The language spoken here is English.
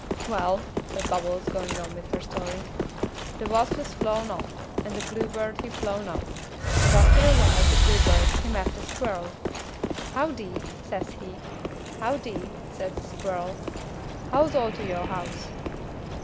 "Well," said Bubbles, going on with her story, "the wass he flown off, and the bluebird he flown off, and after a while the bluebird he met a squirl. 'Howdy?' says he. 'Howdy,' says the squirl. 'How's all to yo' house?'